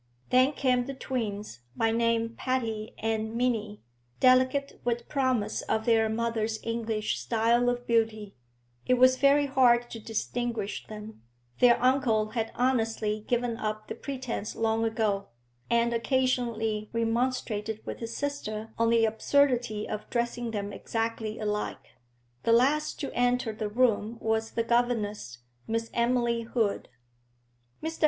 Then came the twins, by name Patty and Minnie, delicate, with promise of their mother's English style of beauty; it was very hard to distinguish them, their uncle had honestly given up the pretence long ago, and occasionally remonstrated with his sister on the absurdity of dressing them exactly alike. The last to enter the room was the governess, Miss Emily Hood. Mr.